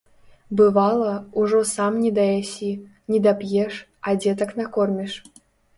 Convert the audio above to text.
Бывала, ужо сам недаясі, недап'еш, а дзетак накорміш.